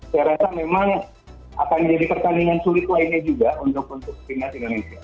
saya rasa memang akan jadi pertandingan sulit lainnya juga untuk timnas indonesia